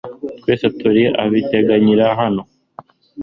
Twese turi abitangira hano .